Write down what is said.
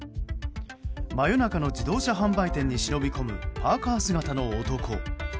真夜中の自動車販売店に忍び込むパーカ姿の男。